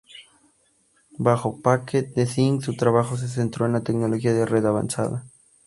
Bajo Packet Design, su trabajo se centró en la tecnología de red avanzada.